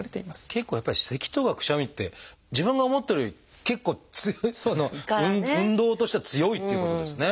結構やっぱりせきとかくしゃみって自分が思ってるより結構強い運動としては強いっていうことですね。